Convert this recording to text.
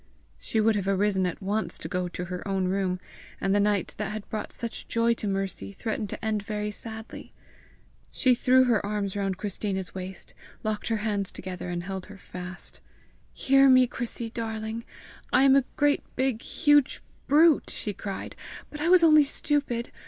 She would have arisen at once to go to her own room, and the night that had brought such joy to Mercy threatened to end very sadly. She threw her arms round Christina's waist, locked her hands together, and held her fast. "Hear me, Chrissy, darling! I am a great big huge brute," she cried. "But I was only stupid.